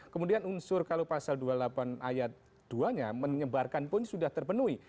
kemudian unsur kalau pasal dua puluh delapan ayat dua nya menyebarkan pun sudah terpenuhi